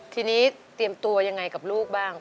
ทีนี้เตรียมตัวยังไงกับลูกบ้าง